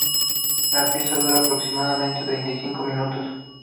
La pieza dura aproximadamente treinta y cinco minutos.